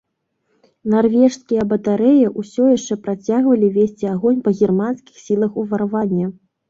Нарвежскія батарэі ўсё яшчэ працягвалі весці агонь па германскіх сілах уварвання.